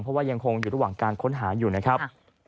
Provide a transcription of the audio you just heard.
เพราะว่ายังคงอยู่ระหว่างการค้นหาอยู่นะครับ